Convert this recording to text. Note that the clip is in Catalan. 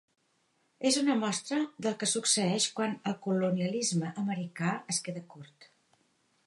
És una mostra del que succeeix quan el colonialisme americà es queda curt.